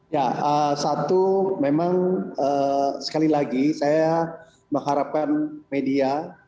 ya satu memang sekali lagi saya mengharapkan media